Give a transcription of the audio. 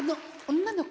女の子？